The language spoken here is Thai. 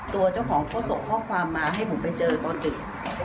ตัวเจ้าของเขาส่งข้อความมาให้ผมไปเจอตอนดึก